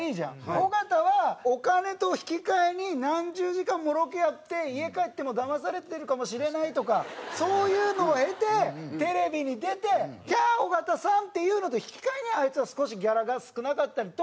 尾形はお金と引き換えに何十時間もロケやって家帰ってもだまされてるかもしれないとかそういうのを経てテレビに出て「キャー！尾形さん」っていうのと引き換えにあいつは少しギャラが少なかったりとかもする。